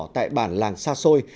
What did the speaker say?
tại bản làng xa xôi